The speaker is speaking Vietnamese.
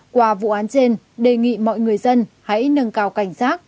qua vụ án trên đề nghị mọi người dân hãy nâng cao cảnh giác